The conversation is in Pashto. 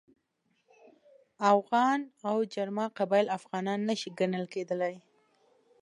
اوغان او جرما قبایل افغانان نه شي ګڼل کېدلای.